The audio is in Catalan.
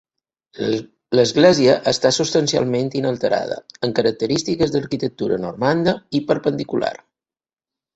L'església està substancialment inalterada, amb característiques d'arquitectura normanda i perpendicular.